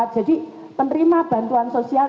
jadi penerima bantuan sosial